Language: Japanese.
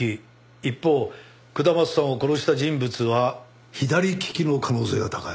一方下松さんを殺した人物は左利きの可能性が高い。